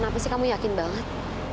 mirip apa sih kamu yakin banget